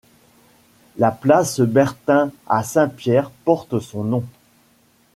La Place Bertin à Saint-Pierre porte son nom.